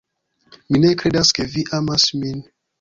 Mi ne kredas ke vi amas min.